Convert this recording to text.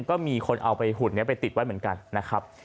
ก็มีคนเอาไปหุ่นนี้ไปติดไว้เหมือนกันนะครับ